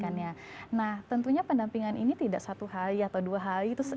nah tentunya pendampingan ini tidak satu hari atau dua hari